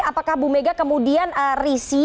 apakah bumega kemudian risi